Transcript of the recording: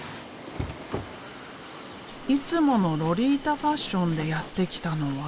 いつものロリータファッションでやって来たのは。